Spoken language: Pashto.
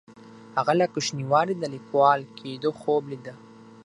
هغه له کوچنیوالي د لیکوال کیدو خوب لیده.